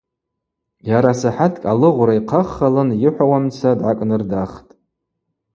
Йарасахӏаткӏ алыгъвра йхъаххылын йыхӏвауамца дгӏакӏнырдахтӏ.